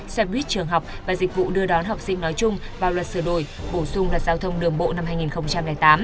xe buýt trường học và dịch vụ đưa đón học sinh nói chung vào luật sửa đổi bổ sung luật giao thông đường bộ năm hai nghìn tám